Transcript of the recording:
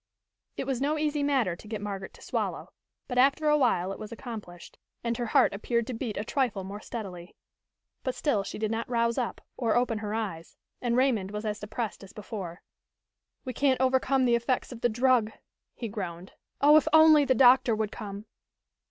It was no easy matter to get Margaret to swallow, but after a while it was accomplished, and her heart appeared to beat a trifle more steadily. But still she did not rouse up or open her eyes, and Raymond was as depressed as before. "We can't overcome the effects of the drug," he groaned. "Oh, if only the doctor would come!"